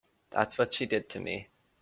That's what she did to me.